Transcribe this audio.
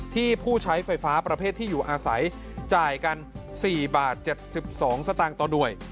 ที่ผู้ใช้ไฟฟ้าประเภทที่อยู่อาศัยจ่ายกัน๔๗๒บาทต่อหน่วย